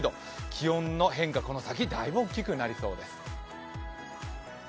気温の変化、この先だいぶ大きくなりそうです。